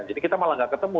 jadi kita malah nggak ketemu